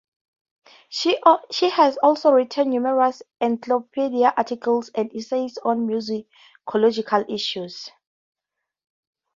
She has also written numerous encyclopedia articles and essays on musicological issues.